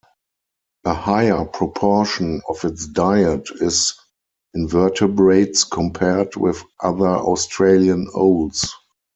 A higher proportion of its diet is invertebrates compared with other Australian owls.